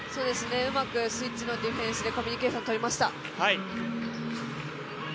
うまくスイッチのディフェンスでコミュニケーションとりました。